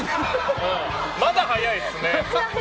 まだ早いですね。